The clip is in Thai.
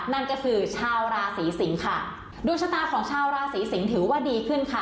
นั่นก็คือชาวราศีสิงค่ะดวงชะตาของชาวราศีสิงศ์ถือว่าดีขึ้นค่ะ